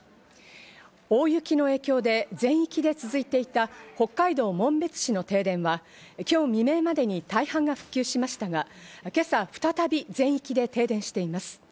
大雪の影響で全域で続いていた北海道紋別市の停電は、今日未明までに大半が復旧しましたが、今朝再び全域で停電しています。